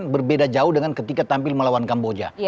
berbeda jauh dengan ketika tampil melawan kamboja